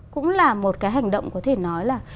cũng là một cái hành động có thể nói là